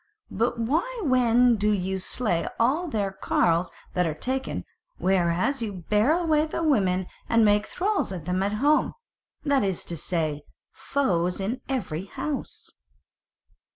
But why then do ye slay all their carles that are taken; whereas ye bear away the women and make thralls of them at home, that is to say, foes in every house?"